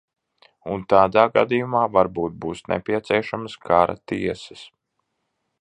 Un tādā gadījumā varbūt būs nepieciešamas kara tiesas.